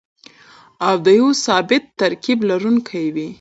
او د يو ثابت ترکيب لرونکي وي.